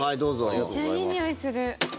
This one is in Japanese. めっちゃいいにおいする。